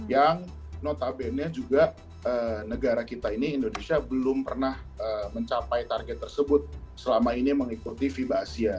yang notabene juga negara kita ini indonesia belum pernah mencapai target tersebut selama ini mengikuti fiba asia